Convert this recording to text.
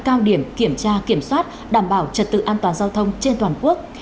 cao điểm kiểm tra kiểm soát đảm bảo trật tự an toàn giao thông trên toàn quốc